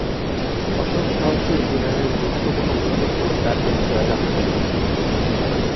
অসম সাহসী এ জেনারেলের গুরুত্বপূর্ণ ভূমিকার ফলে তার দেশ জয়লাভ করে।